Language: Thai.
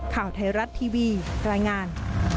ข่าวไทยรัฐทีวีรายงาน